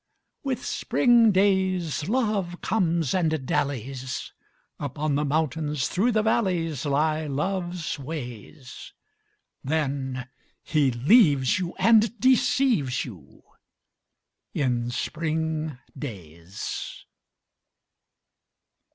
With spring days Love comes and dallies: Upon the mountains, through the valleys Lie Love's ways. Then he leaves you and deceives you In spring days.